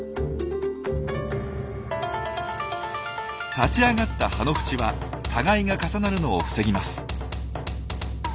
立ち上がった葉のふちは互いが重なるのを防ぎます。